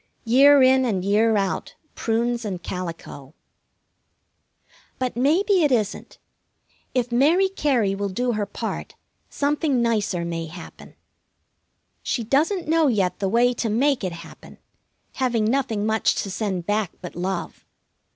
Year in and year out, prunes and calico. But maybe it isn't. If Mary Cary will do her part something nicer may happen. She doesn't know yet the way to make it happen, having nothing much to send back but love.